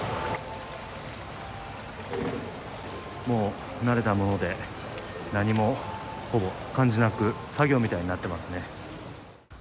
もう慣れたもので何も、ほぼ感じなく作業みたいになっていますね。